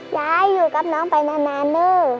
อยากให้อยู่กับน้องไปนานเนอะ